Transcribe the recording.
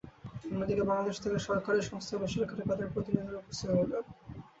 অন্যদিকে বাংলাদেশ থেকে সরকারি সংস্থা ও বেসরকারি খাতের প্রতিনিধিরা উপস্থিত ছিলেন।